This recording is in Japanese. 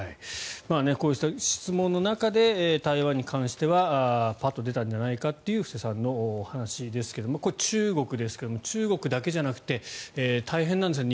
こうした質問の中で台湾に関してはパッと出たんじゃないかという布施さんの話ですが中国ですが中国だけじゃなくて大変なんですよ